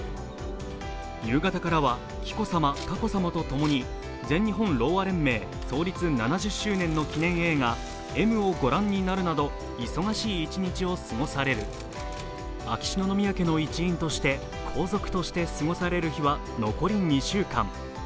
夕方からは紀子さま、佳子さまと共に全日本ろうあ連盟創立７０年の記念映画「咲む」を御覧になるなど忙しい一日を過ごされる秋篠宮家の一員として皇族として過ごされる日は残り２週間。